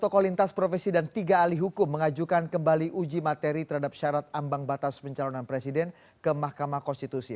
tiga tokoh lintas profesi dan tiga ahli hukum mengajukan kembali uji materi terhadap syarat ambang batas pencalonan presiden ke mahkamah konstitusi